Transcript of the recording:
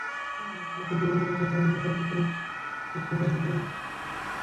ফলে চলতি বন্যার মতো স্বাভাবিক বর্ষা ঋতুতেই চতুর্দিকে বান ডেকে যায়।